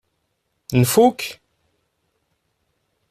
Nfuk?